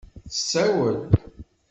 Tessawel.